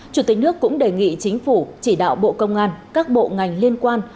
chủ tịch nước cũng đề nghị chính phủ chỉ đạo bộ công an các bộ ngành liên quan